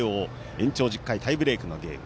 延長１０回タイブレークのゲーム。